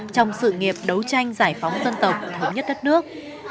trong sự nghiệp đấu tranh giải phóng dân tộc thống nhất đất nước